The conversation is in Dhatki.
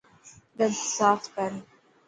ڏنت ساف ڪر.